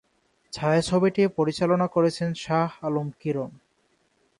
ছায়াছবিটি পরিচালনা করেছেন শাহ আলম কিরণ।